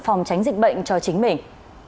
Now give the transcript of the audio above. phòng tránh dịch bệnh cho chính mình